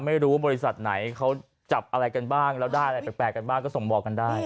บริษัทไหนเขาจับอะไรกันบ้างแล้วได้อะไรแปลกกันบ้างก็ส่งบอกกันได้